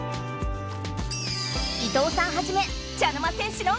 伊藤さんはじめ茶の間戦士の君！